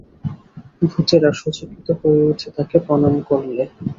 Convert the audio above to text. ভৃতেরা সচকিত হয়ে উঠে তাকে প্রণাম করলে।